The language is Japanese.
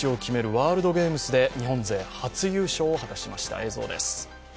ワールドゲームズで日本勢初優勝を果たしました。